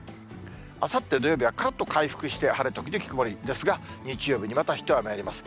あさって土曜日は、関東回復して、晴れ時々曇りですが、日曜日にまた一雨あります。